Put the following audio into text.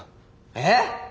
えっ？